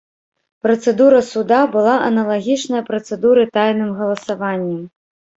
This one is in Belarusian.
Працэдура суда была аналагічная працэдуры тайным галасаваннем.